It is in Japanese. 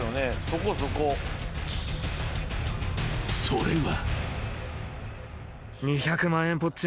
［それは］